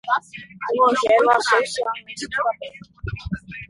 O Rogério assou-se a um lenço de papel.